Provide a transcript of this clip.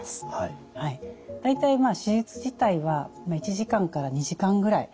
大体手術自体は１時間から２時間ぐらい。